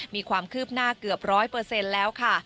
มีความคืบหน้าเกือบ๑๐๐แล้วค่ะ